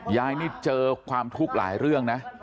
ยายนี่เจอความทุกข์หลายเรื่องนะ